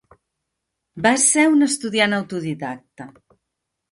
Va ser un estudiant autodidacte.